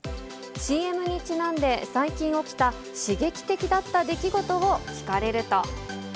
ＣＭにちなんで、最近起きた刺激的だった出来事を聞かれると。